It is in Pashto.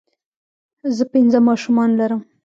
زۀ پنځه ماشومان لرم